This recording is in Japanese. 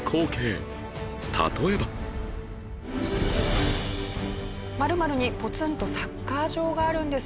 例えば○○にポツンとサッカー場があるんです。